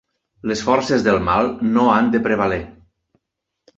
Les forces del mal no han de prevaler.